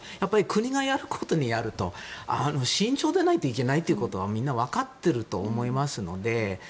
国がやることなので慎重じゃないといけないということはみんな分かっていると思いますので。